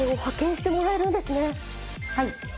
はい。